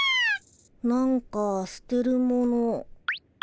なんか捨てるもの。